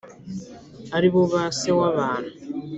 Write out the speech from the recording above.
ari bo ba se wa bantu,